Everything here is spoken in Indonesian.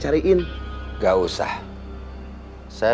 mungkin gang motor salah alamat